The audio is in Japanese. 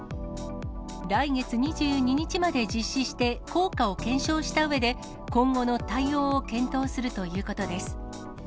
来月２２日まで実施して、効果を検証したうえで、今後の対応を検討するということです。